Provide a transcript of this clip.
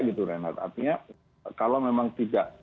artinya kalau memang tidak